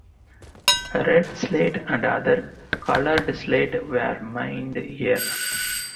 Red slate and other colored slate were mined here.